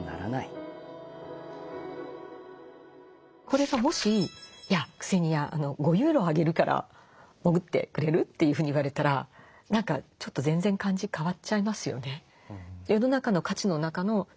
これがもし「いやクセニア５ユーロあげるから潜ってくれる？」というふうに言われたら何かちょっと全然感じ変わっちゃいますよね。